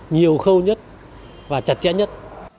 nhiều khâu nhất và chặt chẽ nhất